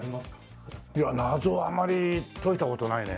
いや謎はあまり解いた事ないね。